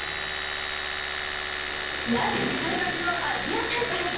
来月開幕のアジア大会。